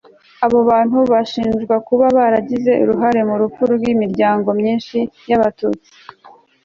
abo bantu bashinjwa kuba baragize uruhare mu rupfu rw'imiryango myinshi y'abatutsi